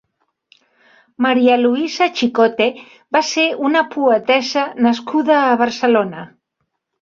María Luisa Chicote va ser una poetessa nascuda a Barcelona.